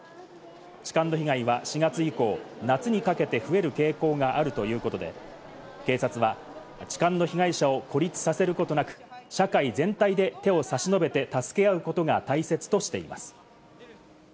痴漢の被害は４月以降、夏にかけて増える傾向があるということで、警察は痴漢の被害者を孤立させることなく、社会全体で手を差し伸べて助け合うことが大切としています。